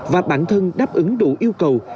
và bản thân đáp ứng đủ yêu cầu